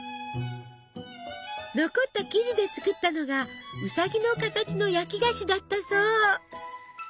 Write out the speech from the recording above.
残った生地で作ったのがウサギの形の焼き菓子だったそう。